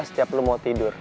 setiap lu mau tidur